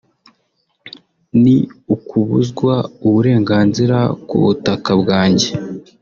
ni ukubuzwa uburenganzira ku butaka bwanjye